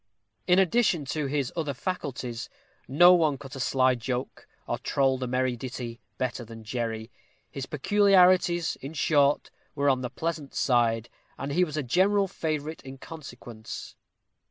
In addition to his other faculties, no one cut a sly joke, or trolled a merry ditty, better than Jerry. His peculiarities, in short, were on the pleasant side, and he was a general favorite in consequence.